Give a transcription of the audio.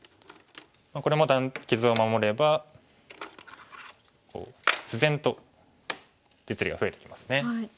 これも傷を守れば自然と実利が増えてきますね。